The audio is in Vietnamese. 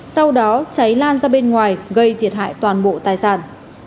sau đó cháy lan ra bên ngoài gây thiệt hại toàn bộ tài sản